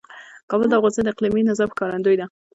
کابل د افغانستان د اقلیمي نظام ښکارندوی ده.